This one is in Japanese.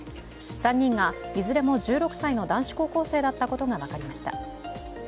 ３人がいずれも１６歳の男子高校生だったことが分かりました。